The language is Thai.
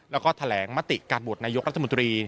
แล้วก็แถลงมติการโหวตนายกรัฐมนตรี